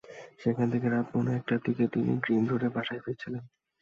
সেখান থেকে রাত পৌনে একটার দিকে তিনি গ্রিন রোডের বাসায় ফিরছিলেন।